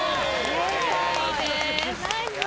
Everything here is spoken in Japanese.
正解です。